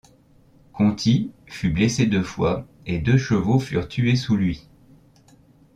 Conti fut blessé deux fois et deux chevaux furent tués sous lui.